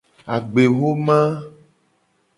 Agbexoma.